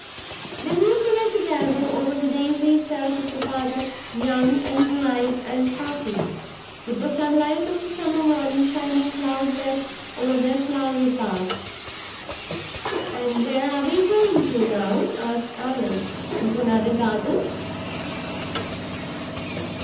They moved away together over the daisied turf of the paddock, young and bright and happy, with the sunlight of the summer morning shining cloudless over their flowery path. "And where are we going to, now?" asked Allan. "Into another garden?"